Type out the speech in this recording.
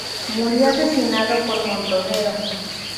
Murió asesinado por Montoneros.